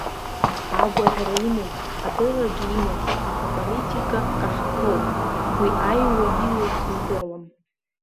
Агәаӷьра имоуп, адыррагьы имоуп, аха аполитика каҳԥроуп, уи аиуа илоу сыздыруам.